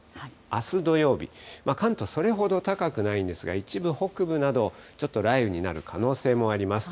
あす土曜日、関東、それほど高くないんですが、一部北部など、ちょっと雷雨になる可能性もあります。